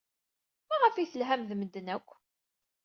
Maɣef ay telham ed medden akk?